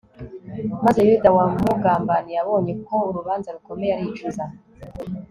maze yuda wamugambaniye abonye ko urubanza rukomeye aricuza